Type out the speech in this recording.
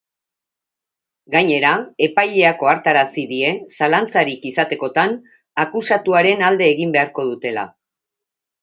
Gainera, epaileak ohartarazi die zalantzarik izatekotan, akusatuaren alde egin beharko dutela.